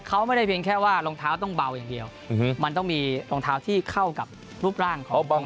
เขาไม่ได้เพียงแค่ว่ารองเท้าต้องเบาอย่างเดียวมันต้องมีรองเท้าที่เข้ากับรูปร่างของ